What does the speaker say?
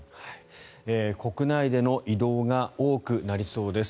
国内での移動が多くなりそうです。